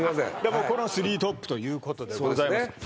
もうこの３トップということでございます